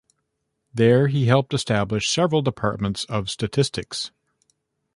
There he helped establish several departments of statistics.